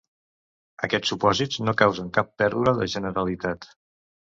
Aquests supòsits no causen pèrdua de generalitat.